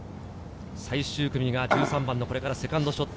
最終組が１３番のセカンドショット。